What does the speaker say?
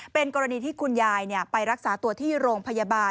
เป็นกรณีที่คุณยายไปรักษาตัวที่โรงพยาบาล